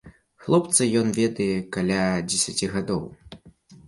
Хлопца ён ведае каля дзесяці гадоў.